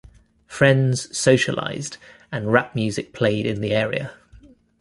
Friends socialized and rap music played in the area.